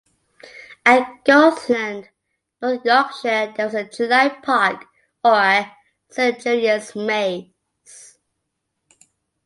At Goathland, North Yorkshire there was a "July Park" or "Saint Julian's" maze.